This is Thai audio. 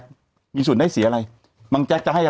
แต่หนูจะเอากับน้องเขามาแต่ว่า